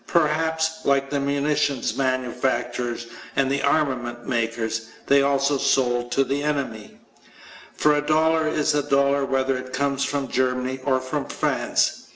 Perhaps, like the munitions manufacturers and armament makers, they also sold to the enemy. For a dollar is a dollar whether it comes from Germany or from France.